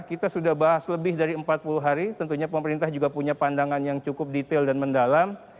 kita sudah bahas lebih dari empat puluh hari tentunya pemerintah juga punya pandangan yang cukup detail dan mendalam